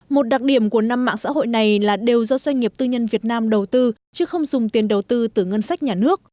một đặc điểm của năm mạng xã hội này là đều do doanh nghiệp tư nhân việt nam đầu tư chứ không dùng tiền đầu tư từ ngân sách nhà nước